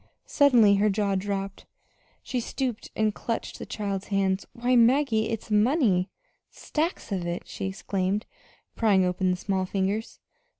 Suddenly her jaw dropped. She stooped and clutched the child's hands. "Why, Maggie, it's money stacks of it!" she exclaimed, prying open the small fingers.